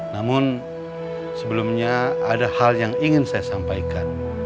namun sebelumnya ada hal yang ingin saya sampaikan